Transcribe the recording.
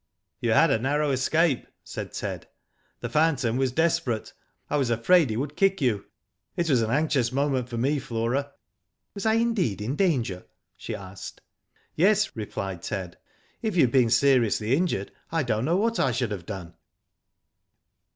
You had a narrow escape," said Ted. '* The phantom was desperate. I was afraid he would kick you. It was an anxious moment for me, Flora." "Was I indeed in danger?" she asked. "Yes," replied Ted. "If you had been seriously injured I do not know what I should have done."